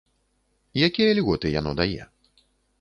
Якія льготы яно дае?